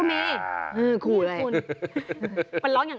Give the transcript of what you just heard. เมนูที่สุดยอด